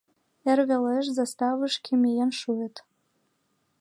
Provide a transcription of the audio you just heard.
Эр велеш заставышке миен шуыт